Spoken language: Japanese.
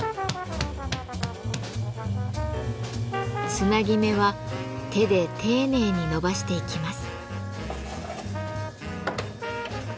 つなぎ目は手で丁寧に延ばしていきます。